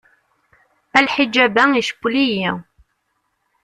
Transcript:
A lḥijab-a i cewwel-iyi.